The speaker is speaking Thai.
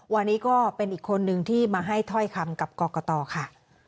วันนี้ก็เป็นอีกคนนึงที่มาให้ถ้อยคำกับกรกตค่ะ